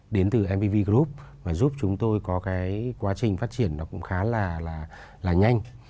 đến từ mvv group và giúp chúng tôi có cái quá trình phát triển nó cũng khá là nhanh